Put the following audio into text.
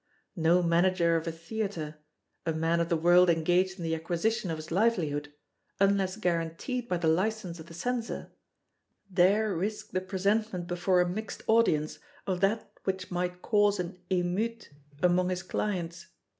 No manager of a theatre,—a man of the world engaged in the acquisition of his livelihood, unless guaranteed by the license of the Censor, dare risk the presentment before a mixed audience of that which might cause an 'emeute' among his clients.